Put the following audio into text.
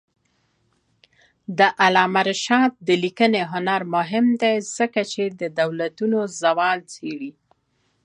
د علامه رشاد لیکنی هنر مهم دی ځکه چې دولتونو زوال څېړي.